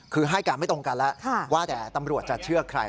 คือให้การไม่ตรงกันแล้วว่าแต่ตำรวจจะเชื่อใคร